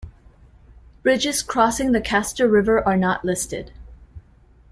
Bridges crossing the Castor River are not listed.